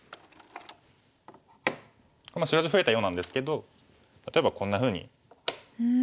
白地増えたようなんですけど例えばこんなふうに模様を広げます。